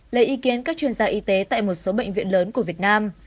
lấy ý kiến các chuyên gia y tế tại một số bệnh viện lớn của việt nam